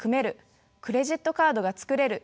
クレジットカードが作れる。